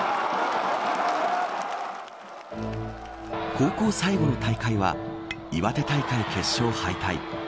高校最後の大会は岩手大会決勝敗退。